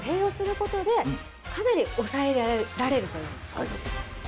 そういうことです。